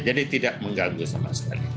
jadi tidak mengganggu sama sekali